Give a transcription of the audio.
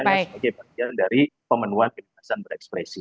yang sebagai bagian dari pemenuhan kebatasan berekspresi